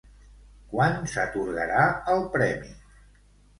Quan s'atorgarà el premi?